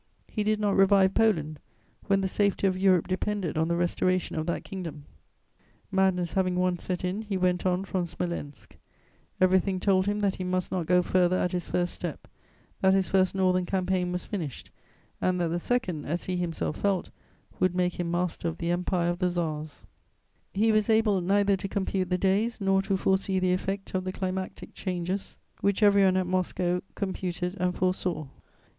He did not revive Poland, when the safety of Europe depended on the restoration of that kingdom. Madness having once set in, he went on from Smolensk; everything told him that he must not go further at his first step, that his first Northern Campaign was finished, and that the second, as he himself felt, would make him master of the Empire of the Tsars. [Illustration: Pope Pius VII.] He was able neither to compute the days nor to foresee the effect of the climatic changes, which every one at Moscow computed and foresaw.